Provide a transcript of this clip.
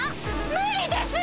無理です！